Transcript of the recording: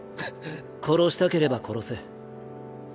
殺したければ殺せ。